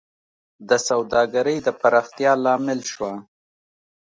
د سوداګرۍ د پراختیا لامل شوه